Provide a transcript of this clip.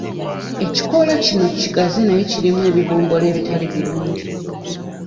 Ekikoola kino kigazi naye kirimu ebibomboola ebitali birungi.